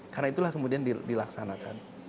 karena itulah kemudian dilaksanakan